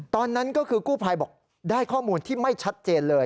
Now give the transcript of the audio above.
ตอนนั้นก็คือกู้ภัยบอกได้ข้อมูลที่ไม่ชัดเจนเลย